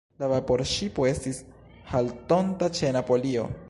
La vaporŝipo estis haltonta ĉe Napolio.